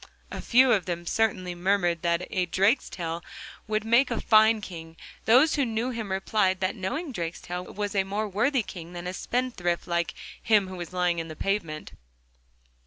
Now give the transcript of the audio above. A few of them certainly murmured that a Drakestail would make a fine King; those who knew him replied that a knowing Drakestail was a more worthy King than a spendthrift like him who was lying on the pavement.